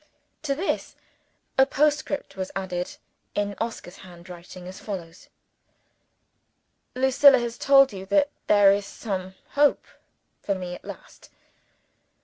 To this, a postscript was added, in Oscar's handwriting, as follows: "Lucilla has told you that there is some hope for me at last.